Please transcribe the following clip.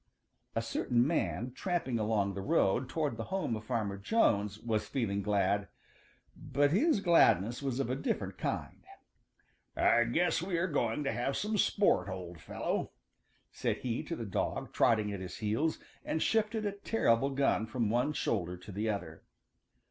A certain man tramping along the road toward the home of Farmer Jones was feeling glad, but his gladness was of a different kind. "I guess we are going to have some sport, old fellow," said he to the dog trotting at his heels, and shifted a terrible gun from one shoulder to the other.